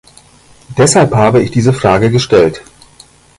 Deshalb habe ich diese Frage gestellt.